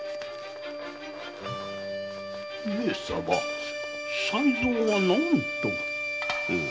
上様才三は何と？